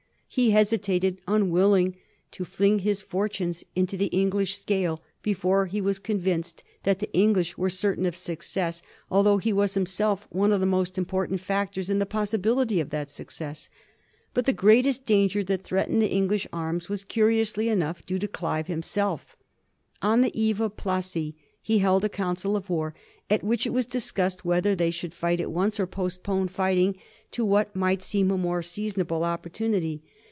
He hesitated, unwilling to fling his fortunes into the English scale before he was convinced that the English were certain of success, al though he was himself one of the most important fac tors in the possibility of that success. But the greatest danger that threatened the English arms was, cunously enough, due to Clive himself. On the eve of Plassey he held a council of war at which it was discussed whether they should flght at once or postpone fighting to what might seem a more seasonable opportunity.